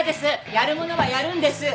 やるものはやるんです。